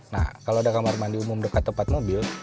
nah kalau ada kamar mandi umum dekat tempat mobil